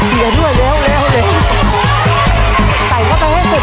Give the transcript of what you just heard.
เกลียดด้วยแล้วแล้วแล้วใส่เข้าไปให้สุดนี่ลูก